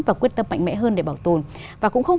và quyết tâm mạnh mẽ hơn để bảo tồn và cũng không